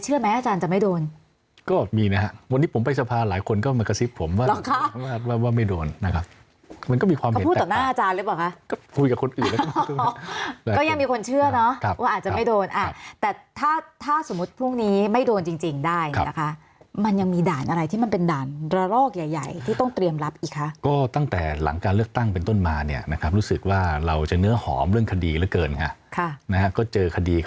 พูดต่อหน้าอาจารย์หรือเปล่าคะก็พูดกับคนอื่นก็ยังมีคนเชื่อเนาะครับว่าอาจจะไม่โดนอ่ะแต่ถ้าถ้าสมมุติพรุ่งนี้ไม่โดนจริงจริงได้นะคะมันยังมีด่านอะไรที่มันเป็นด่านระลอกใหญ่ใหญ่ที่ต้องเตรียมรับอีกคะก็ตั้งแต่หลังการเลือกตั้งเป็นต้นมาเนี่ยนะครับรู้สึกว่าเราจะเนื้อหอมเรื่องคดีเหลือเก